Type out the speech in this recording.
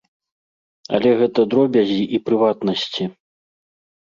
Але гэта дробязі і прыватнасці.